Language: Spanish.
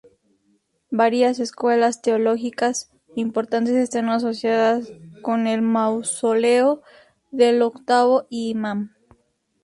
Varias escuelas teológicas importantes están asociadas con el mausoleo del Octavo Imam.